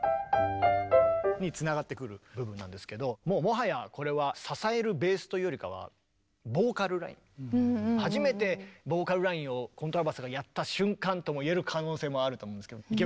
つながってくる部分なんですけどもはやこれは初めてボーカルラインをコントラバスがやった瞬間とも言える可能性もあると思うんですけど池松さん